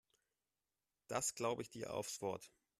Das glaube ich dir aufs Wort.